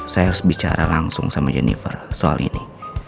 saya harus bicara langsung sama jennifer soal ini